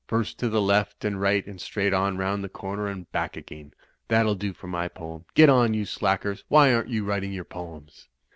First to the left and right and straight on rotmd the comer and back again. That'll do for my poem. Get on, you slackers; why aren't you writing your poems?"